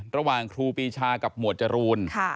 ระหว่างครูปีชากับหมวดจรูน